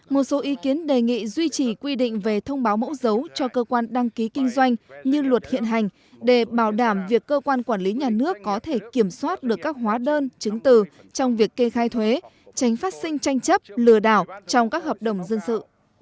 một số ý kiến đề nghị duy trì quy định về thông báo mẫu dấu cho cơ quan đăng ký kinh doanh như luật hiện hành để bảo đảm việc cơ quan quản lý nhà nước có thể kiểm soát được các hóa đơn chứng từ trong việc kê khai thuế tránh phát sinh tranh chấp lừa đảo trong các hợp đồng dân sự